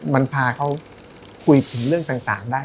มันพาเขาคุยถึงเรื่องต่างได้